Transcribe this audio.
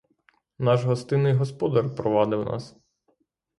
Наш гостинний господар провадив нас.